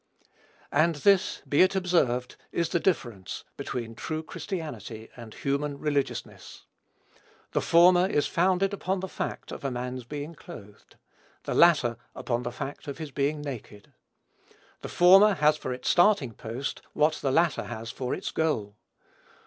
And this, be it observed, is the difference between true Christianity and human religiousness. The former is founded upon the fact of a man's being clothed: the latter, upon the fact of his being naked. The former has for its starting post what the latter has for its goal.